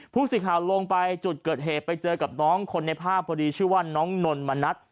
ผู้สื่อข่าวลงไปจุดเกิดเหตุไปเจอกับน้องคนในภาพพอดีชื่อว่าน้องนนมณัฐ